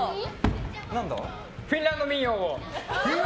フィンランド民謡を。